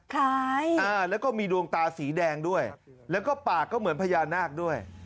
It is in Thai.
คล้ายแล้วก็มีดวงตาสีแดงด้วยแล้วก็ปากก็เหมือนพญานาคด้วย